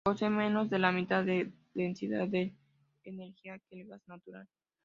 Posee menos de la mitad de densidad de energía que el gas natural.